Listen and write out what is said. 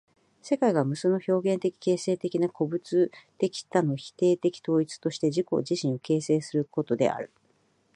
世界が無数の表現的形成的な個物的多の否定的統一として自己自身を形成することである。